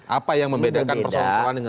apa yang membedakan persoalan persoalan dengan